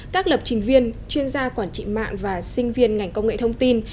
các lập trình viên chuyên gia quản trị mạng và sinh viên ngành công nghệ thông tin